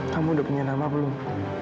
kamu udah punya nama belum